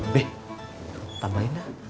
be tambahin dah